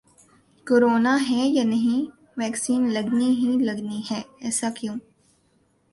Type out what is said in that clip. corona ہے یا نہیں ویکسین لگنی ہی لگنی ہے، ایسا کیوں